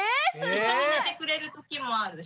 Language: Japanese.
一緒に寝てくれる時もあるし。